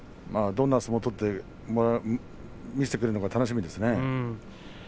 どんな相撲を取って見せてくれるのか楽しみですね。